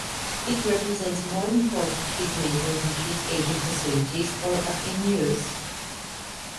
It represents more than forty cheese makers and cheese aging facilities, or affineurs.